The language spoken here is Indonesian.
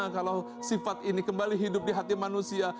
kalau sifat ini kembali hidup di hati manusia